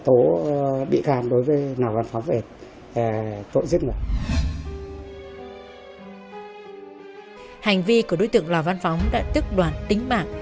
tôi là kẻ riêng người